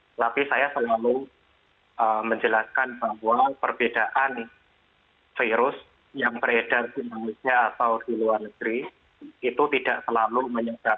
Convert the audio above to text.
tetapi saya selalu menjelaskan bahwa perbedaan virus yang beredar di manusia atau di luar negeri itu tidak selalu menyesat